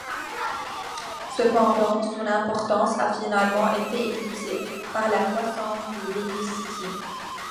Cependant, son importance a finalement été éclipsée par la croissance de Belize City.